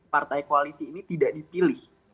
partai koalisi ini tidak dipilih